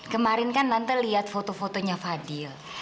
kemarin kan nanti lihat foto fotonya fadil